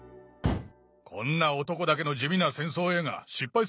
こんな男だけの地味な戦争映画失敗するに決まっている。